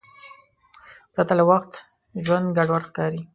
پرته له وخت ژوند ګډوډ ښکاري.